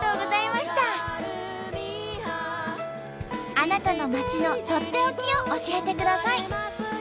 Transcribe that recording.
あなたの町のとっておきを教えてください。